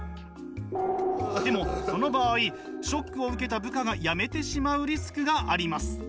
でもその場合ショックを受けた部下が辞めてしまうリスクがあります。